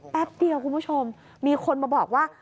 แป๊บเดียวคุณผู้ชมมีคนมาบอกว่า